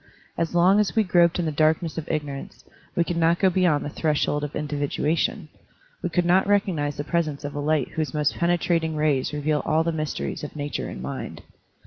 As long as we groped in the darkness of ignor ance, we could not go beyond the threshold of individuation; we could not recognize the pres ence of a light whose most penetrating rays reveal all the mysteries of nature and mind.